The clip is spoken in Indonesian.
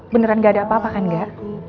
beneran gak ada apa apa kan enggak